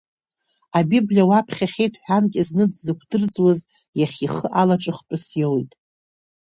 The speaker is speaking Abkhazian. Абиблиа уаԥхьахьеит ҳәа анкьа зны дзықәдырӡуаз иахьа ихы алаҿыхтәыс иоуит.